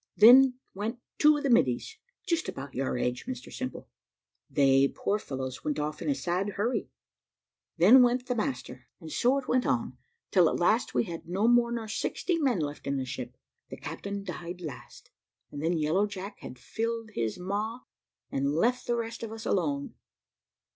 Then went two of the middies, just about your age, Mr Simple; they, poor fellows, went off in a sad hurry; then went the master and so it went on, till at last we had no more nor sixty men left in the ship The captain died last, and then Yellow Jack had filled his maw, and left the rest of us alone.